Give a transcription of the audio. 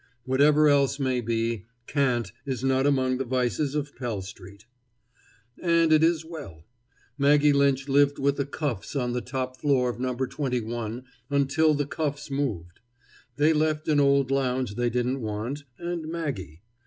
Whatever else may be, cant is not among the vices of Pell street. And it is well. Maggie Lynch lived with the Cuffs on the top floor of No. 21 until the Cuffs moved. They left an old lounge they didn't want, and Maggie.